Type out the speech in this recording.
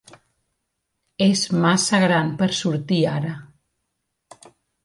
És massa gran per sortir ara.